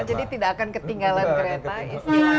jadi tidak akan ketinggalan kereta